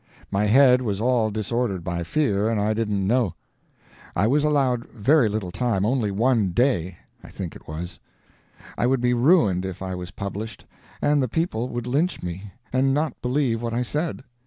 My head was all disordered by fear, and I didn't know. I was allowed very little time only one day, I think it was. I would be ruined if I was published, and the people would lynch me, and not believe what I said.